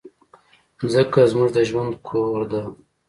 مځکه زموږ د ژوند کور ده.